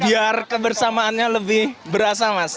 biar kebersamaannya lebih berasa mas